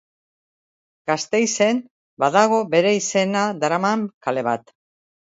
Gasteizen, badago bere izena daraman kale bat.